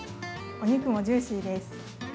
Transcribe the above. お肉もジューシーです。